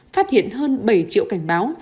phát hiện hơn bảy triệu cảnh báo